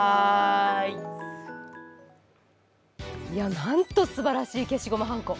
なんと素晴らしい消しゴムはんこ。